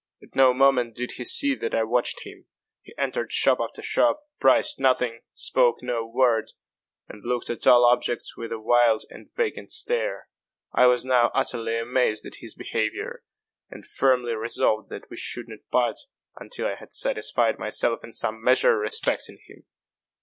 At no moment did he see that I watched him. He entered shop after shop, priced nothing, spoke no word, and looked at all objects with a wild and vacant stare. I was now utterly amazed at his behaviour, and firmly resolved that we should not part until I had satisfied myself in some measure respecting him.